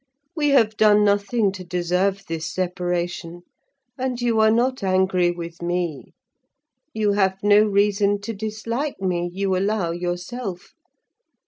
We have done nothing to deserve this separation; and you are not angry with me: you have no reason to dislike me, you allow, yourself.